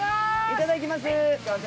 いただきます。